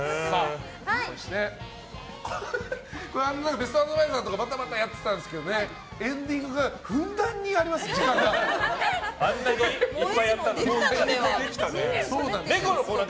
ベストアドバイザーとかバタバタやってたんですけどエンディングがあんなにいっぱいやったのに。